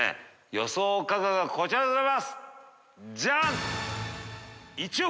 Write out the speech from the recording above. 予想価格はこちらでございます。